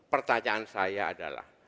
pertanyaan saya adalah